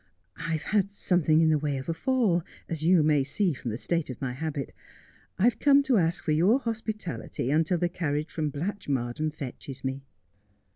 ' I've had something in the way of a fall, as you may see from the state of my habit. I've come to ask for your hospitality until the carriage from Blatchmardean fetches me.'